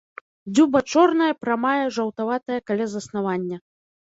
Дзюба чорная, прамая, жаўтаватая каля заснавання.